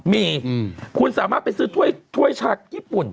มีคุณสามารถไปซื้อถ้วยชาญี่ปุ่น